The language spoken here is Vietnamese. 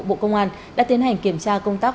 bộ công an đã tiến hành kiểm tra công tác